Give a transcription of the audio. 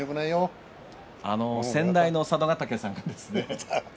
先代の佐渡ヶ嶽さんがですね